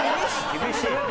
厳しい。